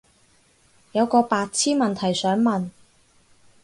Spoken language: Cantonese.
有個白癡問題想問